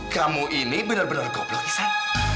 kamu ini benar benar goblok isan